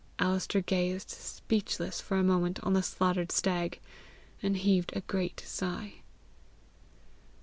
Alister gazed speechless for a moment on the slaughtered stag, and heaved a great sigh.